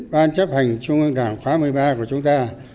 ban chấp hành trung ương đảng khóa một mươi ba của chúng ta